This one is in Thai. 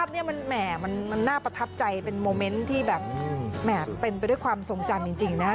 น่าประทับใจเป็นโมเม้นท์ที่แบบเป็นไปด้วยความทรงจำจริงนะคะ